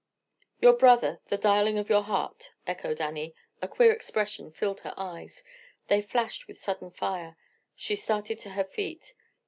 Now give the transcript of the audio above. "Your brother, the darling of your heart," echoed Annie. A queer expression filled her eyes; they flashed with sudden fire. She started to her feet.